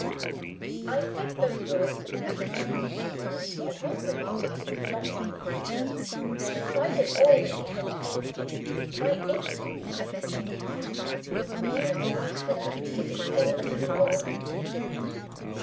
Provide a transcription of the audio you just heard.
I said those words with a purpose. What was the news he was longing for? In spite of all that he had told me, my instincts answered: News that Lucilla is still a single woman.